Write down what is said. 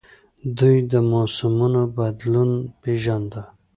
دوی د موسمونو بدلون پیژانده